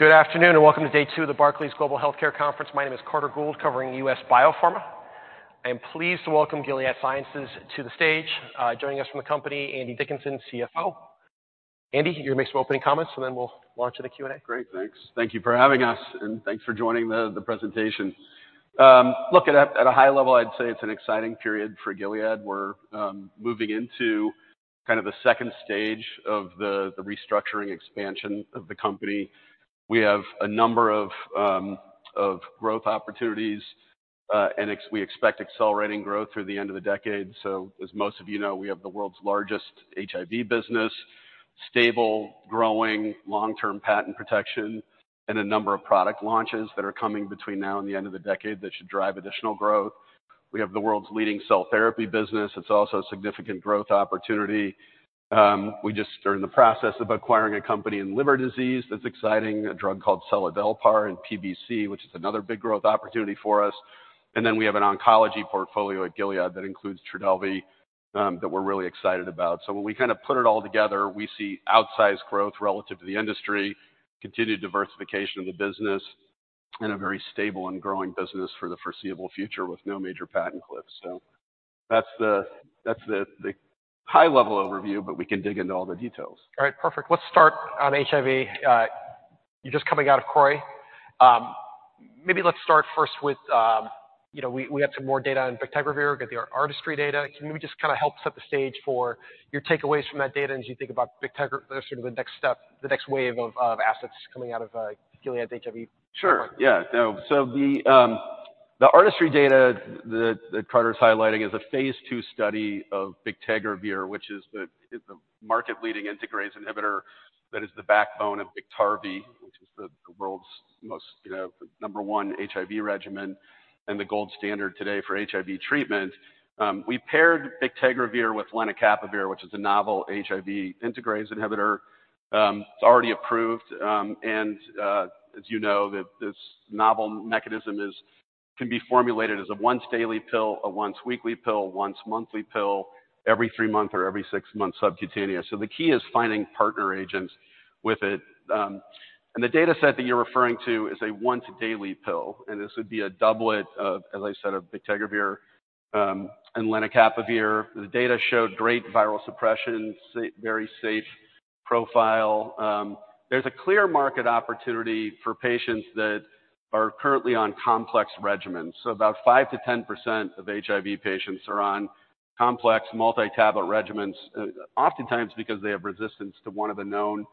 Good afternoon and welcome to day two of the Barclays Global Healthcare Conference. My name is Carter Gould, covering U.S. biopharma. I am pleased to welcome Gilead Sciences to the stage. Joining us from the company, Andy Dickinson, CFO. Andy, you're going to make some opening comments, and then we'll launch into Q&A. Great, thanks. Thank you for having us, and thanks for joining the presentation. Look, at a high level, I'd say it's an exciting period for Gilead. We're moving into kind of the second stage of the restructuring expansion of the company. We have a number of growth opportunities, and we expect accelerating growth through the end of the decade. So, as most of you know, we have the world's largest HIV business, stable, growing long-term patent protection, and a number of product launches that are coming between now and the end of the decade that should drive additional growth. We have the world's leading cell therapy business. It's also a significant growth opportunity. We just are in the process of acquiring a company in liver disease that's exciting, a drug called seladelpar and PBC, which is another big growth opportunity for us. Then we have an oncology portfolio at Gilead that includes Trodelvy that we're really excited about. So when we kind of put it all together, we see outsized growth relative to the industry, continued diversification of the business, and a very stable and growing business for the foreseeable future with no major patent cliffs. So that's the high-level overview, but we can dig into all the details. All right, perfect. Let's start on HIV. You're just coming out of CROI. Maybe let's start first with we have some more data on bictegravir, we've got the Artistry data. Can you maybe just kind of help set the stage for your takeaways from that data as you think about bictegravir, sort of the next step, the next wave of assets coming out of Gilead's HIV? Sure. Yeah. So the Artistry data that Carter's highlighting is a phase II study of bictegravir, which is the market-leading integrase inhibitor that is the backbone of Biktarvy, which is the world's number one HIV regimen and the gold standard today for HIV treatment. We paired bictegravir with lenacapavir, which is a novel HIV integrase inhibitor. It's already approved. And as you know, this novel mechanism can be formulated as a once-daily pill, a once-weekly pill, once-monthly pill, every three months or every six months subcutaneous. So the key is finding partner agents with it. And the data set that you're referring to is a once-daily pill, and this would be a doublet, as I said, of bictegravir and lenacapavir. The data showed great viral suppression, very safe profile. There's a clear market opportunity for patients that are currently on complex regimens. About 5%-10% of HIV patients are on complex multi-tablet regimens, oftentimes because they have resistance to one of the known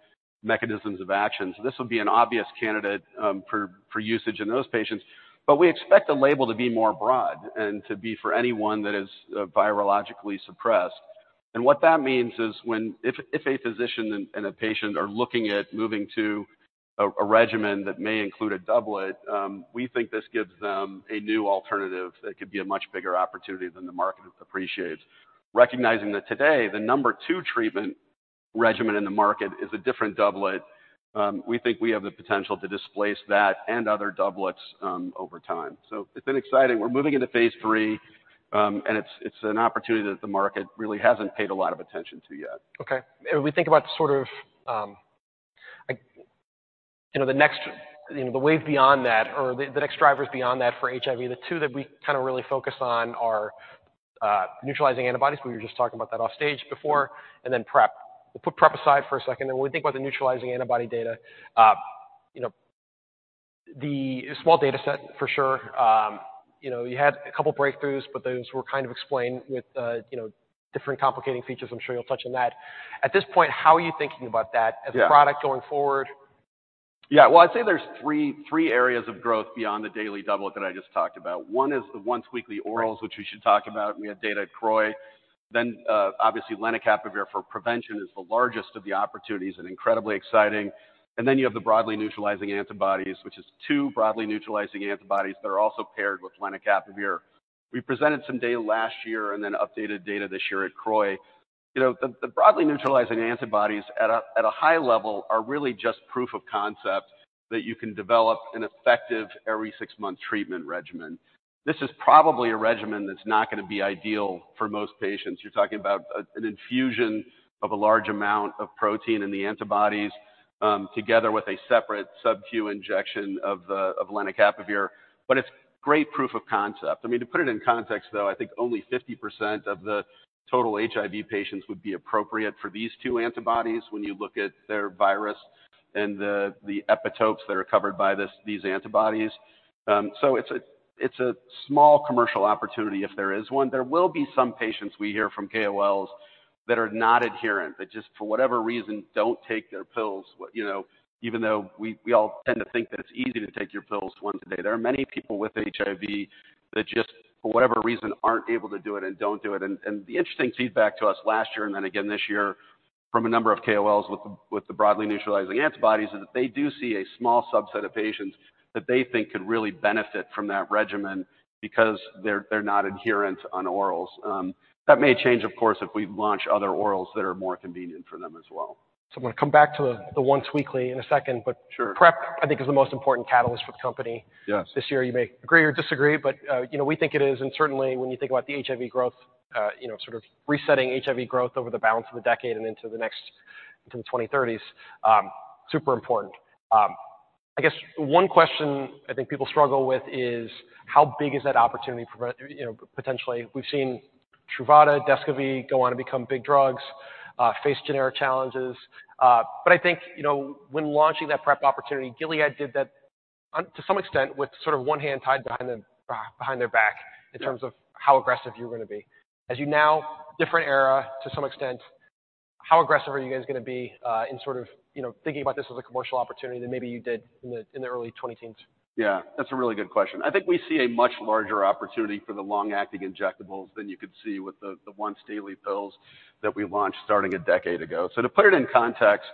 mechanisms of action. This would be an obvious candidate for usage in those patients. But we expect the label to be more broad and to be for anyone that is virologically suppressed. And what that means is when if a physician and a patient are looking at moving to a regimen that may include a doublet, we think this gives them a new alternative that could be a much bigger opportunity than the market appreciates. Recognizing that today, the number two treatment regimen in the market is a different doublet, we think we have the potential to displace that and other doublets over time. So it's been exciting. We're moving into phase III, and it's an opportunity that the market really hasn't paid a lot of attention to yet. Okay. And when we think about sort of the next wave beyond that or the next drivers beyond that for HIV, the two that we kind of really focus on are neutralizing antibodies. We were just talking about that offstage before, and then PrEP. We'll put PrEP aside for a second. And when we think about the neutralizing antibody data, the small data set, for sure. You had a couple of breakthroughs, but those were kind of explained with different complicating features. I'm sure you'll touch on that. At this point, how are you thinking about that as a product going forward? Yeah. Well, I'd say there's three areas of growth beyond the daily doublet that I just talked about. One is the once-weekly orals, which we should talk about. We had data at CROI. Then, obviously, Lenacapavir for prevention is the largest of the opportunities and incredibly exciting. And then you have the broadly neutralizing antibodies, which is two broadly neutralizing antibodies that are also paired with Lenacapavir. We presented some data last year and then updated data this year at CROI. The broadly neutralizing antibodies, at a high level, are really just proof of concept that you can develop an effective every six-month treatment regimen. This is probably a regimen that's not going to be ideal for most patients. You're talking about an infusion of a large amount of protein in the antibodies together with a separate subcu injection of Lenacapavir. But it's great proof of concept. I mean, to put it in context, though, I think only 50% of the total HIV patients would be appropriate for these two antibodies when you look at their virus and the epitopes that are covered by these antibodies. So it's a small commercial opportunity if there is one. There will be some patients we hear from KOLs that are not adherent, that just for whatever reason don't take their pills, even though we all tend to think that it's easy to take your pills once a day. There are many people with HIV that just for whatever reason aren't able to do it and don't do it. The interesting feedback to us last year and then again this year from a number of KOLs with the broadly neutralizing antibodies is that they do see a small subset of patients that they think could really benefit from that regimen because they're not adherent on orals. That may change, of course, if we launch other orals that are more convenient for them as well. So I'm going to come back to the once-weekly in a second. But PrEP, I think, is the most important catalyst for the company this year. You may agree or disagree, but we think it is. And certainly, when you think about the HIV growth, sort of resetting HIV growth over the balance of the decade and into the 2030s, super important. I guess one question I think people struggle with is how big is that opportunity potentially? We've seen Truvada, Descovy go on to become big drugs, face generic challenges. But I think when launching that PrEP opportunity, Gilead did that to some extent with sort of one hand tied behind their back in terms of how aggressive you were going to be. As you know, different era to some extent, how aggressive are you guys going to be in sort of thinking about this as a commercial opportunity than maybe you did in the early 2010s? Yeah, that's a really good question. I think we see a much larger opportunity for the long-acting injectables than you could see with the once-daily pills that we launched starting a decade ago. So to put it in context,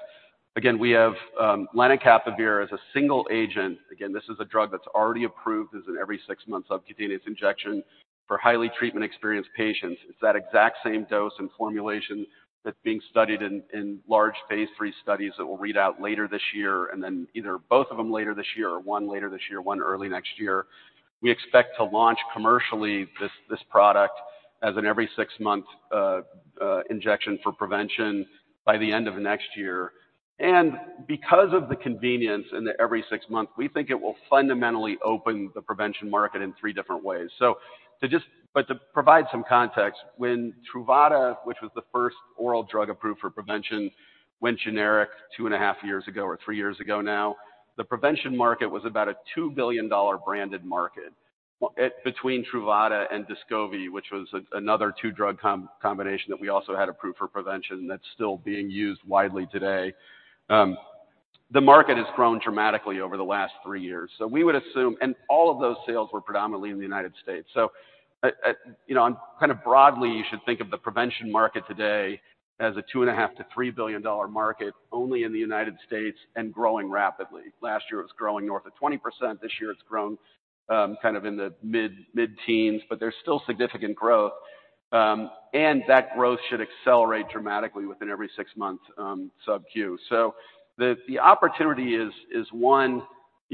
again, we have lenacapavir as a single agent. Again, this is a drug that's already approved as an every 6-month subcutaneous injection for highly treatment-experienced patients. It's that exact same dose and formulation that's being studied in large phase III studies that we'll read out later this year, and then either both of them later this year or one later this year, one early next year. We expect to launch commercially this product as an every 6-month injection for prevention by the end of next year. And because of the convenience and the every 6-month, we think it will fundamentally open the prevention market in three different ways. But to provide some context, when Truvada, which was the first oral drug approved for prevention, went generic two and a half years ago or three years ago now, the prevention market was about a $2 billion branded market between Truvada and Descovy, which was another two-drug combination that we also had approved for prevention that's still being used widely today. The market has grown dramatically over the last three years. So we would assume and all of those sales were predominantly in the United States. So kind of broadly, you should think of the prevention market today as a $2.5-$3 billion market only in the United States and growing rapidly. Last year, it was growing north of 20%. This year, it's grown kind of in the mid-teens, but there's still significant growth. And that growth should accelerate dramatically within every six-month subcu. So the opportunity is, one,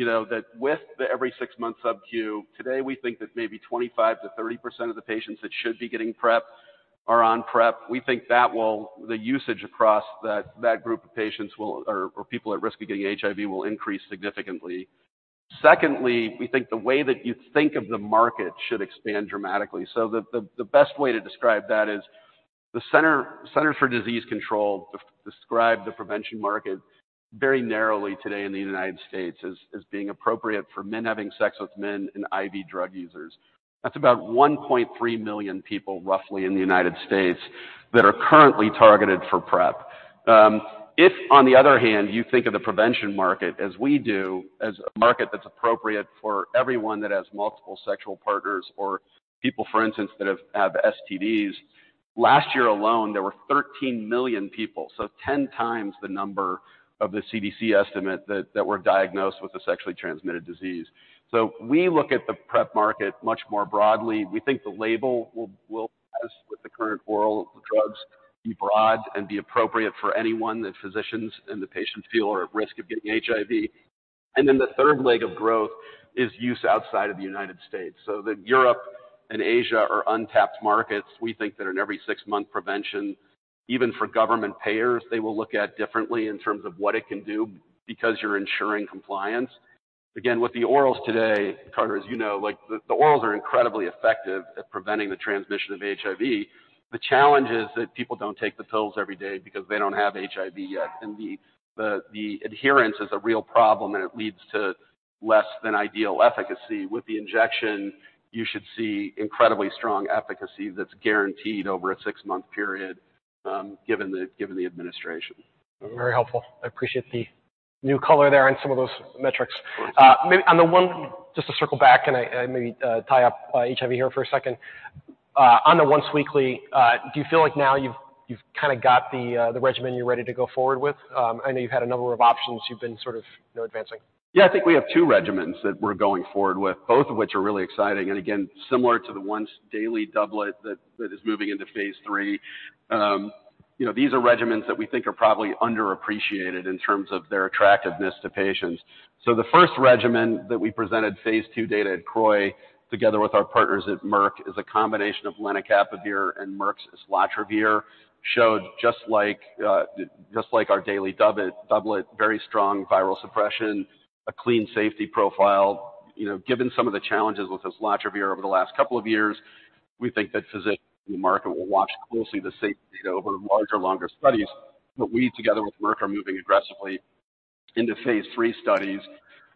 that with the every six-month subcu, today, we think that maybe 25%-30% of the patients that should be getting PrEP are on PrEP. We think that will the usage across that group of patients or people at risk of getting HIV will increase significantly. Secondly, we think the way that you think of the market should expand dramatically. So the best way to describe that is the Centers for Disease Control describe the prevention market very narrowly today in the United States as being appropriate for men having sex with men and IV drug users. That's about 1.3 million people, roughly, in the United States that are currently targeted for PrEP. If, on the other hand, you think of the prevention market as we do, as a market that's appropriate for everyone that has multiple sexual partners or people, for instance, that have STDs, last year alone, there were 13 million people, so 10 times the number of the CDC estimate that were diagnosed with a sexually transmitted disease. So we look at the PrEP market much more broadly. We think the label will, as with the current oral drugs, be broad and be appropriate for anyone that physicians and the patients feel are at risk of getting HIV. And then the third leg of growth is use outside of the United States. So that Europe and Asia are untapped markets. We think that an every six-month prevention, even for government payers, they will look at differently in terms of what it can do because you're ensuring compliance. Again, with the orals today, Carter, as you know, the orals are incredibly effective at preventing the transmission of HIV. The challenge is that people don't take the pills every day because they don't have HIV yet. The adherence is a real problem, and it leads to less than ideal efficacy. With the injection, you should see incredibly strong efficacy that's guaranteed over a six-month period given the administration. Very helpful. I appreciate the new color there and some of those metrics. On the one just to circle back and maybe tie up HIV here for a second, on the once-weekly, do you feel like now you've kind of got the regimen you're ready to go forward with? I know you've had a number of options. You've been sort of advancing. Yeah, I think we have two regimens that we're going forward with, both of which are really exciting. And again, similar to the once-daily doublet that is moving into phase III, these are regimens that we think are probably underappreciated in terms of their attractiveness to patients. So the first regimen that we presented, phase II data at COI, together with our partners at Merck, is a combination of lenacapavir and Merck's islatravir, showed just like our daily doublet, very strong viral suppression, a clean safety profile. Given some of the challenges with islatravir over the last couple of years, we think that physicians in the market will watch closely the safety data over larger longer studies. But we, together with Merck, are moving aggressively into phase III studies.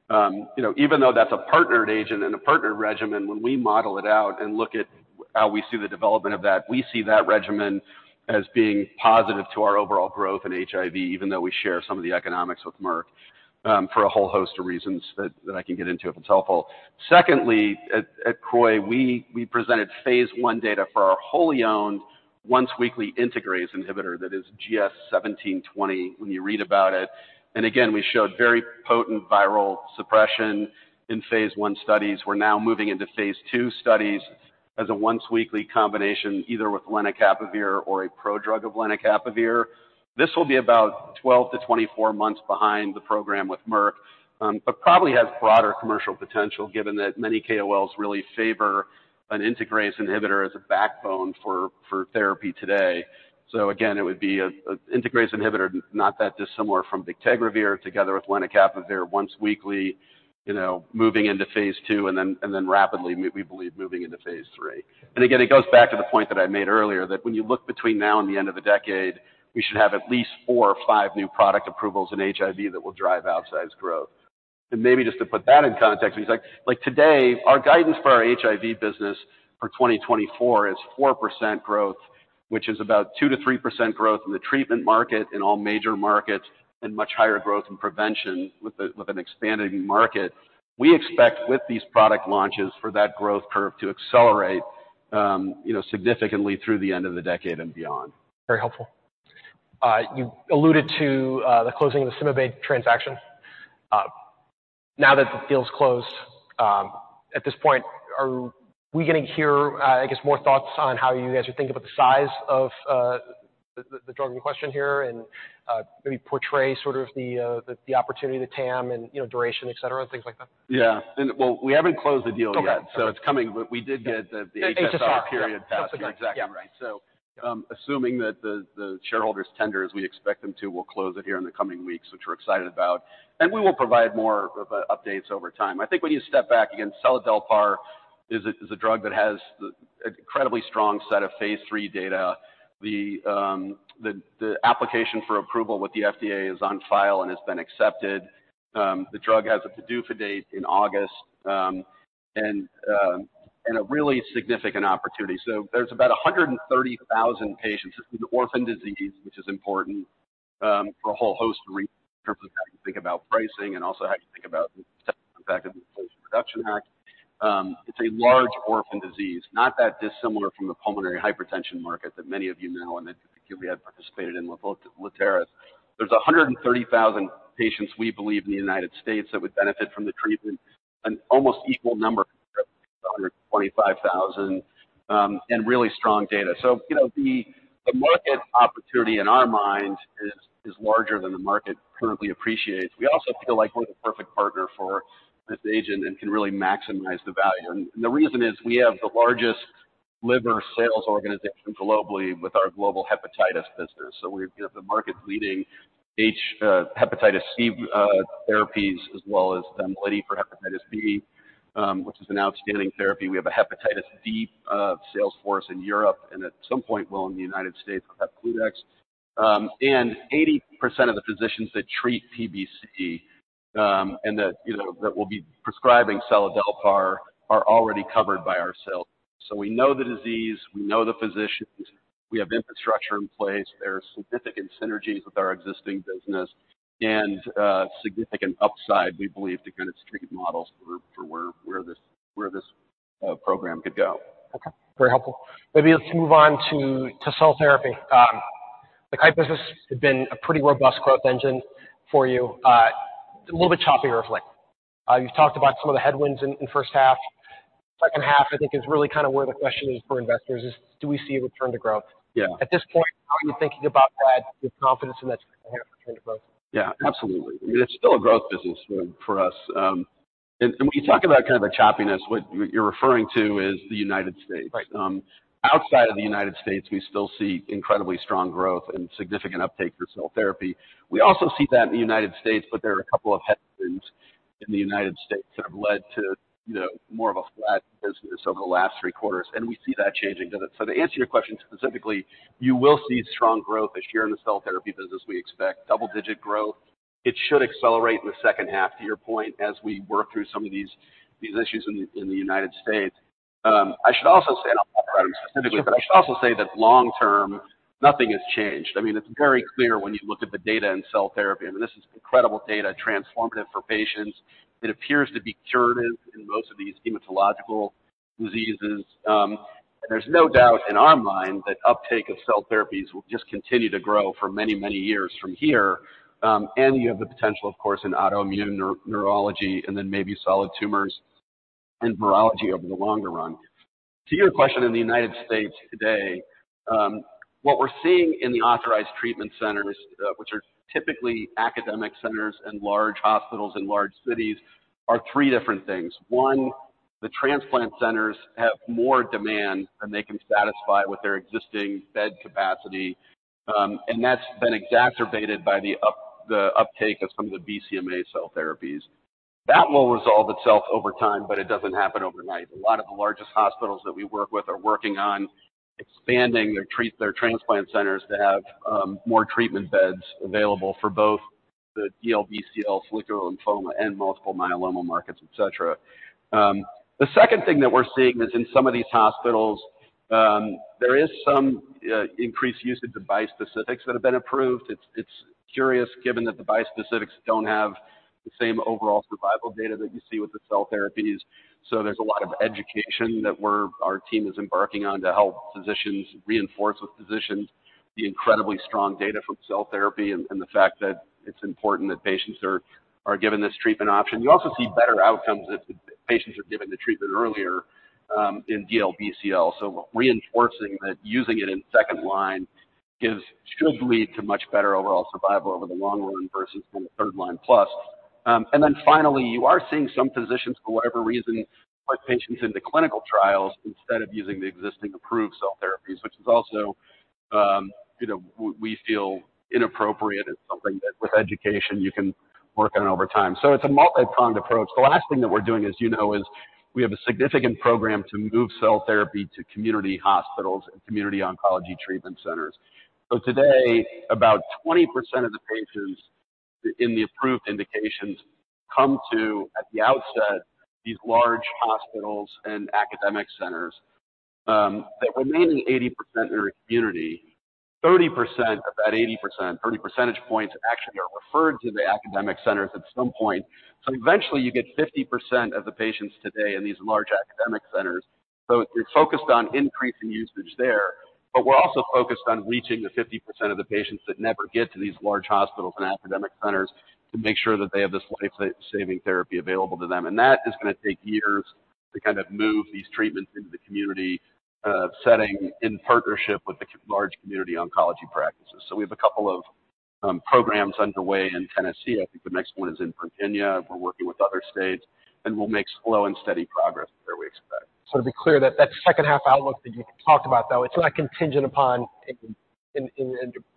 Even though that's a partnered agent and a partnered regimen, when we model it out and look at how we see the development of that, we see that regimen as being positive to our overall growth in HIV, even though we share some of the economics with Merck for a whole host of reasons that I can get into if it's helpful. Secondly, at COI, we presented phase I data for our wholly owned once-weekly integrase inhibitor that is GS-1720 when you read about it. And again, we showed very potent viral suppression in phase I studies. We're now moving into phase II studies as a once-weekly combination, either with Lenacapavir or a prodrug of Lenacapavir. This will be about 12-24 months behind the program with Merck, but probably has broader commercial potential given that many KOLs really favor an integrase inhibitor as a backbone for therapy today. So again, it would be an integrase inhibitor, not that dissimilar from bictegravir together with lenacapavir, once weekly, moving into phase II, and then rapidly, we believe, moving into phase III. And again, it goes back to the point that I made earlier that when you look between now and the end of the decade, we should have at least 4 or 5 new product approvals in HIV that will drive outsized growth. And maybe just to put that in context, like today, our guidance for our HIV business for 2024 is 4% growth, which is about 2%-3% growth in the treatment market in all major markets and much higher growth in prevention with an expanding market. We expect with these product launches for that growth curve to accelerate significantly through the end of the decade and beyond. Very helpful. You alluded to the closing of the CymaBay transaction. Now that the deal's closed, at this point, are we going to hear, I guess, more thoughts on how you guys are thinking about the size of the drug in question here and maybe portray sort of the opportunity, the TAM, and duration, etc., and things like that? Yeah. And well, we haven't closed the deal yet, so it's coming. But we did get the HSR period passed. You're exactly right. So assuming that the shareholders tender as we expect them to, we'll close it here in the coming weeks, which we're excited about. And we will provide more updates over time. I think when you step back, again, seladelpar is a drug that has an incredibly strong set of phase III data. The application for approval with the FDA is on file and has been accepted. The drug has a PDUFA date in August and a really significant opportunity. So there's about 130,000 patients. This is an orphan disease, which is important for a whole host of reasons in terms of how you think about pricing and also how you think about the impact of the Inflation Reduction Act. It's a large orphan disease, not that dissimilar from the pulmonary hypertension market that many of you know and that particularly had participated in with Letairis. There's 130,000 patients, we believe, in the United States that would benefit from the treatment, an almost equal number compared to 125,000, and really strong data. So the market opportunity in our mind is larger than the market currently appreciates. We also feel like we're the perfect partner for this agent and can really maximize the value. And the reason is we have the largest liver sales organization globally with our global hepatitis business. So we have the market leading hepatitis C therapies as well as Vemlidy for hepatitis B, which is an outstanding therapy. We have a hepatitis D sales force in Europe and at some point, well, in the United States, we'll have Hepcludex. 80% of the physicians that treat PBC and that will be prescribing seladelpar are already covered by our sales. So we know the disease. We know the physicians. We have infrastructure in place. There are significant synergies with our existing business and significant upside, we believe, to kind of street models for where this program could go. Okay. Very helpful. Maybe let's move on to cell therapy. The Kite business had been a pretty robust growth engine for you, a little bit choppier of late. You've talked about some of the headwinds in first half. Second half, I think, is really kind of where the question is for investors, is do we see a return to growth? At this point, how are you thinking about that with confidence in that second half return to growth? Yeah, absolutely. I mean, it's still a growth business for us. And when you talk about kind of a choppiness, what you're referring to is the United States. Outside of the United States, we still see incredibly strong growth and significant uptake for cell therapy. We also see that in the United States, but there are a couple of headwinds in the United States that have led to more of a flat business over the last three quarters. And we see that changing, doesn't it? So to answer your question specifically, you will see strong growth this year in the cell therapy business, we expect, double-digit growth. It should accelerate in the second half, to your point, as we work through some of these issues in the United States. I should also say and I'll talk about them specifically, but I should also say that long-term, nothing has changed. I mean, it's very clear when you look at the data in cell therapy. I mean, this is incredible data, transformative for patients. It appears to be curative in most of these hematological diseases. There's no doubt in our mind that uptake of cell therapies will just continue to grow for many, many years from here. You have the potential, of course, in autoimmune neurology and then maybe solid tumors and virology over the longer run. To your question in the United States today, what we're seeing in the authorized treatment centers, which are typically academic centers and large hospitals in large cities, are three different things. One, the transplant centers have more demand than they can satisfy with their existing bed capacity. That's been exacerbated by the uptake of some of the BCMA cell therapies. That will resolve itself over time, but it doesn't happen overnight. A lot of the largest hospitals that we work with are working on expanding their transplant centers to have more treatment beds available for both the DLBCL, follicular lymphoma, and multiple myeloma markets, etc. The second thing that we're seeing is in some of these hospitals, there is some increased use of bispecifics that have been approved. It's curious given that the bispecifics don't have the same overall survival data that you see with the cell therapies. So there's a lot of education that our team is embarking on to help physicians reinforce with physicians the incredibly strong data from cell therapy and the fact that it's important that patients are given this treatment option. You also see better outcomes if patients are given the treatment earlier in DLBCL. So reinforcing that using it in second line should lead to much better overall survival over the long run versus kind of third line plus. And then finally, you are seeing some physicians, for whatever reason, put patients into clinical trials instead of using the existing approved cell therapies, which is also we feel inappropriate and something that with education, you can work on over time. So it's a multi-pronged approach. The last thing that we're doing, as you know, is we have a significant program to move cell therapy to community hospitals and community oncology treatment centers. So today, about 20% of the patients in the approved indications come to, at the outset, these large hospitals and academic centers. That remaining 80% in our community, 30% of that 80%, 30 percentage points actually are referred to the academic centers at some point. So eventually, you get 50% of the patients today in these large academic centers. So we're focused on increasing usage there, but we're also focused on reaching the 50% of the patients that never get to these large hospitals and academic centers to make sure that they have this life-saving therapy available to them. And that is going to take years to kind of move these treatments into the community setting in partnership with the large community oncology practices. So we have a couple of programs underway in Tennessee. I think the next one is in Virginia. We're working with other states. And we'll make slow and steady progress there, we expect. To be clear, that second-half outlook that you talked about, though, it's not contingent upon a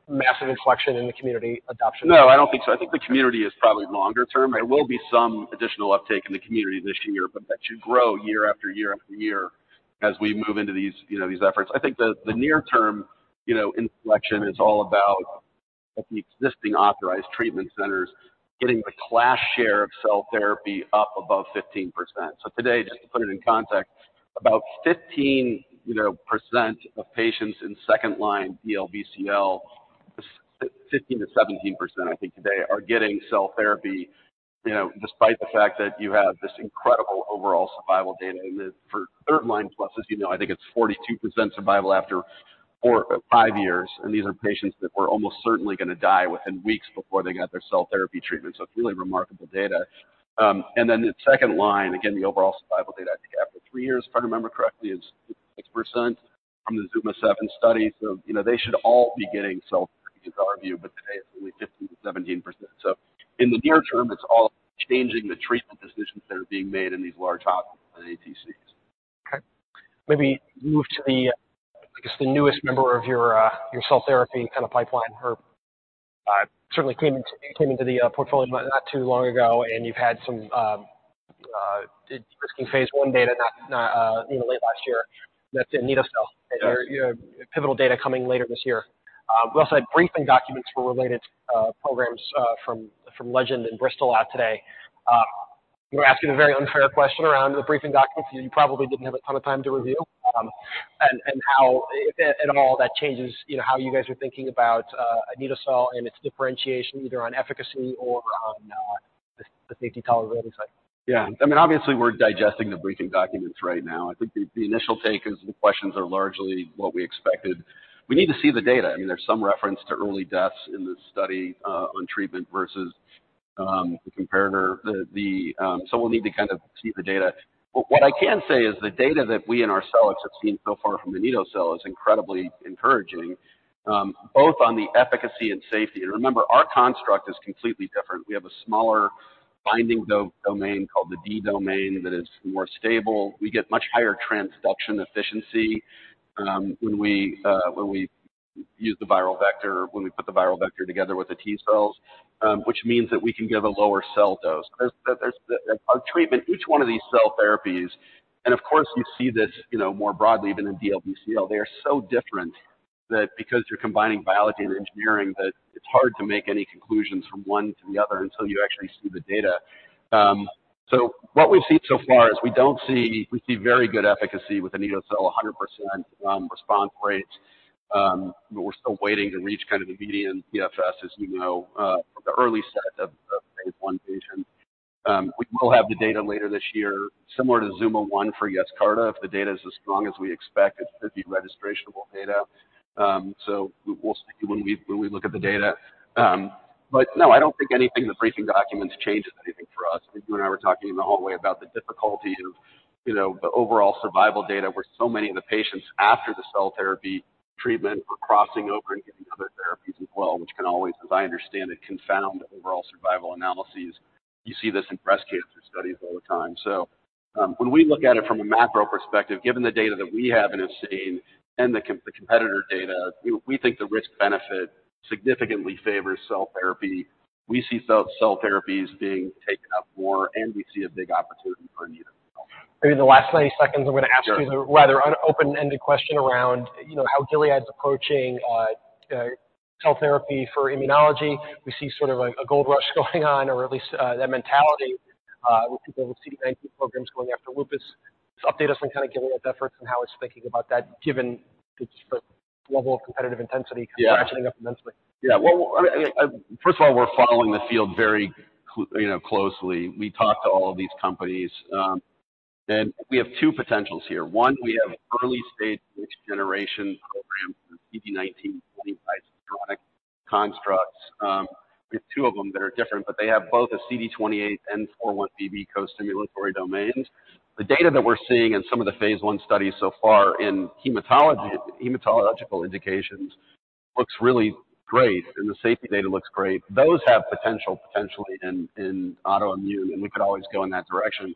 massive inflection in the community adoption? No, I don't think so. I think the community is probably longer term. There will be some additional uptake in the community this year, but that should grow year after year after year as we move into these efforts. I think the near-term inflection is all about, at the existing authorized treatment centers, getting the class share of cell therapy up above 15%. So today, just to put it in context, about 15% of patients in second line DLBCL, 15%-17%, I think today, are getting cell therapy despite the fact that you have this incredible overall survival data. And for third line plus, as you know, I think it's 42% survival after five years. And these are patients that were almost certainly going to die within weeks before they got their cell therapy treatment. So it's really remarkable data. Then the second line, again, the overall survival data, I think after three years, if I remember correctly, is 6% from the ZUMA-7 study. They should all be getting cell therapy, is our view. But today, it's only 15%-17%. In the near term, it's all changing the treatment decisions that are being made in these large hospitals and ATCs. Okay. Maybe move to, I guess, the newest member of your cell therapy kind of pipeline. Certainly, you came into the portfolio not too long ago, and you've had some de-risking phase I data late last year. That's in anito-cell, pivotal data coming later this year. We also had briefing documents for related programs from Legend and Bristol out today. I'm going to ask you the very unfair question around the briefing documents. You probably didn't have a ton of time to review. And how, if at all, that changes how you guys are thinking about anito-cell and its differentiation either on efficacy or on the safety tolerability side? Yeah. I mean, obviously, we're digesting the briefing documents right now. I think the initial take is the questions are largely what we expected. We need to see the data. I mean, there's some reference to early deaths in this study on treatment versus the comparator. So we'll need to kind of see the data. What I can say is the data that we and Arcellx have seen so far from the anito-cell is incredibly encouraging, both on the efficacy and safety. And remember, our construct is completely different. We have a smaller binding domain called the D domain that is more stable. We get much higher transduction efficiency when we use the viral vector, when we put the viral vector together with the T cells, which means that we can give a lower cell dose. Our treatment, each one of these cell therapies and of course, you see this more broadly even in DLBCL. They are so different that because you're combining biology and engineering, that it's hard to make any conclusions from one to the other until you actually see the data. So what we've seen so far is we see very good efficacy with the anito-cel, 100% response rates. But we're still waiting to reach kind of the median PFS, as you know, from the early set of phase I patients. We will have the data later this year, similar to ZUMA-1 for Yescarta. If the data is as strong as we expect, it should be registrationable data. So we'll see when we look at the data. But no, I don't think anything in the briefing documents changes anything for us. I think you and I were talking in the hallway about the difficulty of the overall survival data where so many of the patients after the cell therapy treatment are crossing over and getting other therapies as well, which can always, as I understand it, confound overall survival analyses. You see this in breast cancer studies all the time. So when we look at it from a macro perspective, given the data that we have and have seen and the competitor data, we think the risk-benefit significantly favors cell therapy. We see cell therapies being taken up more, and we see a big opportunity for anito-cell. Maybe in the last 90 seconds, I'm going to ask you the rather open-ended question around how Gilead's approaching cell therapy for immunology. We see sort of a gold rush going on, or at least that mentality with people with CD19 programs going after lupus. Update us on kind of Gilead's efforts and how it's thinking about that given the level of competitive intensity catching up immensely. Yeah. Well, I mean, first of all, we're following the field very closely. We talk to all of these companies. And we have two potentials here. One, we have early-stage mixed-generation programs for CD19 antibody constructs. We have two of them that are different, but they have both a CD28 and 41BB co-stimulatory domains. The data that we're seeing in some of the phase I studies so far in hematological indications looks really great, and the safety data looks great. Those have potential, potentially, in autoimmune, and we could always go in that direction.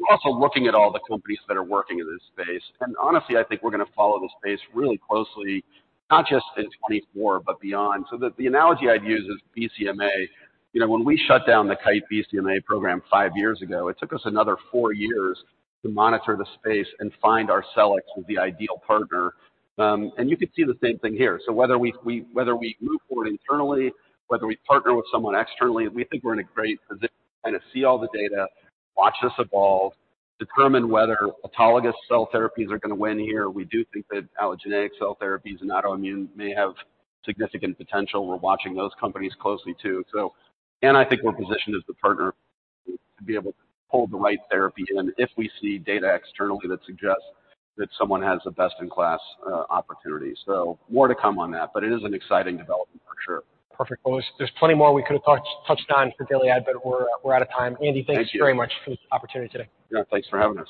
We're also looking at all the companies that are working in this space. And honestly, I think we're going to follow this space really closely, not just in 2024, but beyond. So the analogy I'd use is BCMA. When we shut down the Kite BCMA program five years ago, it took us another four years to monitor the space and find our CELEX was the ideal partner. You could see the same thing here. So whether we move forward internally, whether we partner with someone externally, we think we're in a great position to kind of see all the data, watch this evolve, determine whether autologous cell therapies are going to win here. We do think that allogeneic cell therapies and autoimmune may have significant potential. We're watching those companies closely, too. And I think we're positioned as the partner to be able to pull the right therapy in if we see data externally that suggests that someone has the best-in-class opportunity. So more to come on that, but it is an exciting development for sure. Perfect. Well, there's plenty more we could have touched on for Gilead, but we're out of time. Andy, thanks very much for this opportunity today. Yeah. Thanks for having us.